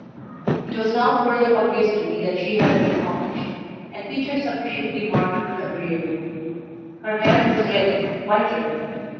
It was now further obvious to me that she had a good complexion, and features sufficiently marked but agreeable; her hair was red quite red.